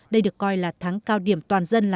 đây được coi là tháng cao điểm toàn dân làm nhân đạo